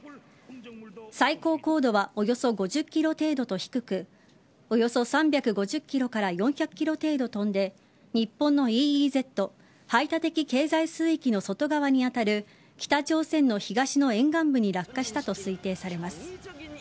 最高高度はおよそ５０ｋｍ程度と低くおよそ３５０ｋｍから４００ｋｍ程度飛んで日本のＥＥＺ＝排他的経済水域の外側に当たる北朝鮮の東の沿岸部に落下したと推定されます。